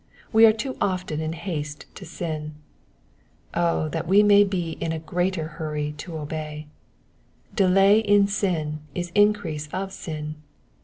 We are too often in haste to sin ; O that we may be in a greater hurry to obey. Delay in sin is increase of sin.